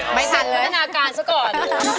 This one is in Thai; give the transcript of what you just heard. ไม่ทันเลยเป็นพัฒนาการซะก่อน